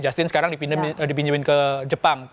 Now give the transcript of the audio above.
justin sekarang dipinjamin ke jepang